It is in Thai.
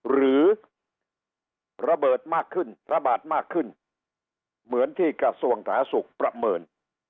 หรือระเบิดมากขึ้นระบาดมากขึ้นเหมือนที่กระทรวงสาธารณสุขประเมิน